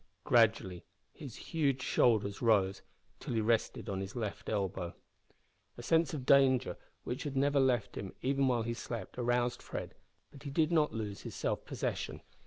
Gradually his huge shoulders rose till he rested on his left elbow. A sense of danger, which had never left him even while he slept, aroused Fred, but he did not lose his self possession.